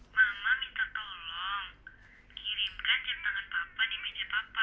mama minta tolong kirimkan jam tangan apa apa di meja papa